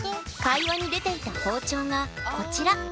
会話に出ていた「包丁」がこちら。